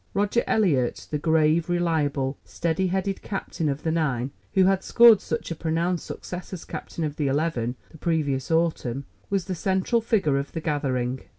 Roger Eliot, the grave, reliable, steady headed captain of the nine, who had scored such a pronounced success as captain of the eleven the previous autumn, was the central figure of that gathering.